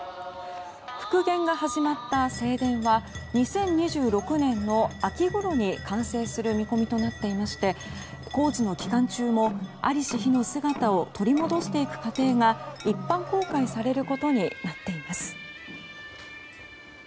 復元が始まった正殿は２０２６年の秋ごろに完成する見込みとなっていまして工事の期間中も在りし日の姿を取り戻していく過程が一般公開されることになっています。